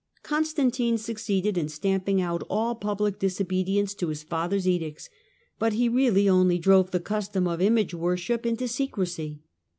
Constantine succeeded in stamping out all public dis bedience to his father's edicts, but he really only drove he custom of image worship into secrecy.